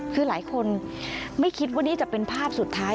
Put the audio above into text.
คือหลายคนไม่คิดว่านี่จะเป็นภาพสุดท้าย